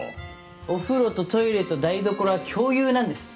お風呂とトイレと台所は共有なんです。